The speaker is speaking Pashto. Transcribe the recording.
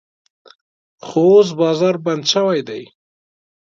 خو اوس بازار بند شوی دی.